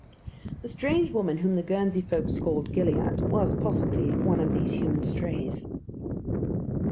The strange woman whom the Guernsey folks called "Gilliatt" was, possibly, one of these human strays.